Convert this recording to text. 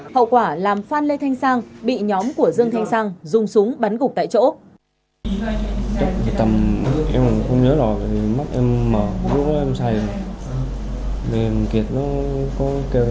hậu quả làm phan lê thanh sang bị nhóm của dương thanh sang dùng súng bắn gục tại chỗ